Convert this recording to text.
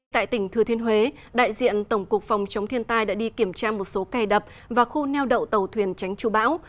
tại tỉnh thừa thiên huế đại diện tổng cục phòng chống thiên tai đã đi kiểm tra một số cài đập và khu neo đậu tàu thuyền tránh trụ bão